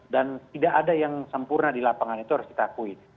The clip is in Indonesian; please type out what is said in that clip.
dan tidak ada yang sempurna di lapangan itu harus ditakui